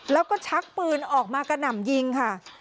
แล้วก็ชักปืนออกมากระหน่ำยิงค่ะ